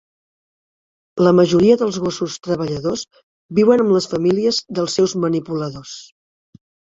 La majoria dels gossos treballadors viuen amb les famílies dels seus manipuladors.